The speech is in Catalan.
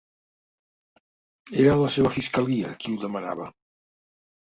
Era la seva fiscalia qui ho demanava.